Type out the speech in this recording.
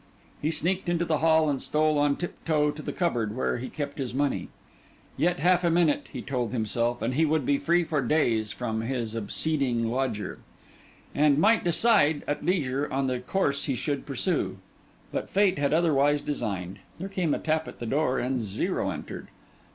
He sneaked into the hall and stole on tiptoe to the cupboard where he kept his money. Yet half a minute, he told himself, and he would be free for days from his obseding lodger, and might decide at leisure on the course he should pursue. But fate had otherwise designed: there came a tap at the door and Zero entered.